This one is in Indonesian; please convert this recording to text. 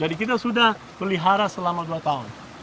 jadi kita sudah melihara selama dua tahun